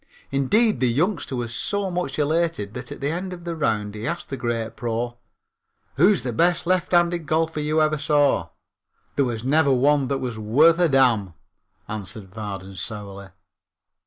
Indeed, the youngster was so much elated that at the end of the round he asked the great pro.: "Who's the best lefthanded golfer you ever saw?" "There never was one that was worth a damn," answered Vardon sourly.